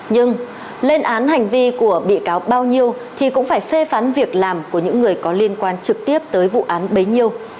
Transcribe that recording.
nhưng lên án hành vi của bị cáo bao nhiêu thì cũng phải phê phán việc làm của những người có liên quan trực tiếp tới vụ án bấy nhiêu